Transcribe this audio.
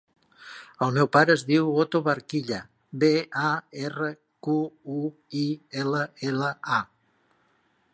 El meu pare es diu Oto Barquilla: be, a, erra, cu, u, i, ela, ela, a.